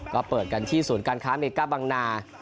ก็เปิดกันที่ศูนย์การค้าเมก้าบังนา